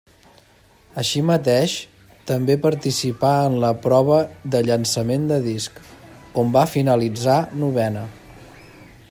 Així mateix també participà en la prova de llançament de disc, on va finalitzar novena.